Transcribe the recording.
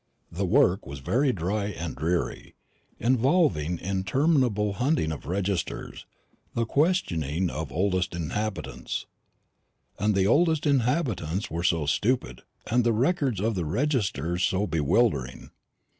The work was very dry and dreary, involving interminable hunting of registers, and questioning of oldest inhabitants. And the oldest inhabitants were so stupid, and the records of the registers so bewildering.